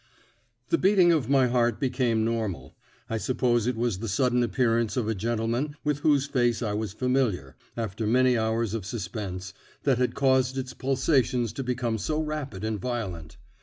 The beating of my heart became normal; I suppose it was the sudden appearance of a gentleman with whose face I was familiar, after many hours of suspense, that had caused its pulsations to become so rapid and violent.